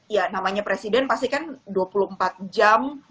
ya namanya presiden pasti kan dua puluh empat jam